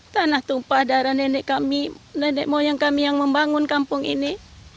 tanah tumpah darah nenek kami nenek moyang kami yang membangun kampung ini